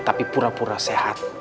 tapi pura pura sehat